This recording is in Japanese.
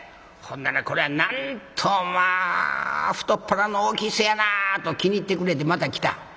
ほんならこれはなんとまあ太っ腹の大きい人やなあと気に入ってくれてまた来た。